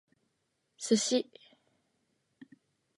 Sushi